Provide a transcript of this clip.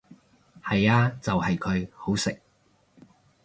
係呀就係佢，好食！